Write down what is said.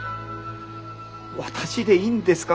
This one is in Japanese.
私でいいんですか？